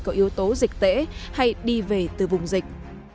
có yếu tố dịch tễ hay đi về từ vùng dịch